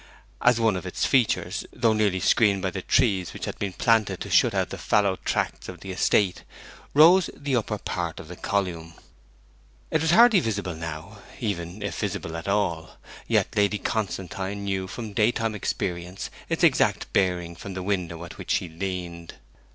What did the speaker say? As one of its features, though nearly screened by the trees which had been planted to shut out the fallow tracts of the estate, rose the upper part of the column. It was hardly visible now, even if visible at all; yet Lady Constantine knew from daytime experience its exact bearing from the window at which she leaned.